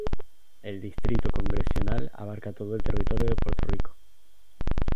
El distrito congresional abarca a todo el territorio de Puerto Rico.